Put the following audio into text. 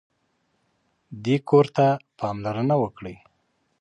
دې کور ته پاملرنه وکړئ.